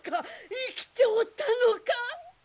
生きておったのか。